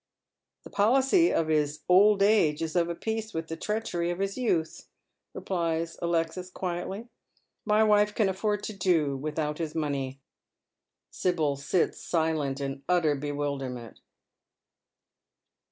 " The policy of his old age is of a piece with the treachery of his youth," replies Alexis, quietly. " My wife can afHord to do without his money." Sibyl sits silent, in utter bewilderment.